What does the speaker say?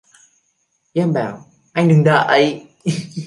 Em bảo: "Anh đừng đợi"